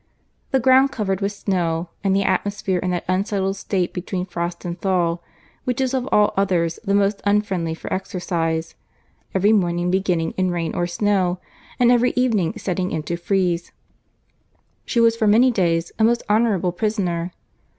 The ground covered with snow, and the atmosphere in that unsettled state between frost and thaw, which is of all others the most unfriendly for exercise, every morning beginning in rain or snow, and every evening setting in to freeze, she was for many days a most honourable prisoner.